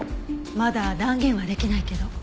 まだ断言はできないけど。